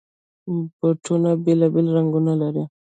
بوټونه بېلابېل رنګونه لري.